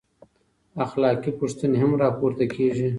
اخلاقي پوښتنې هم راپورته کېږي.